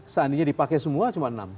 seandainya dipakai semua cuma enam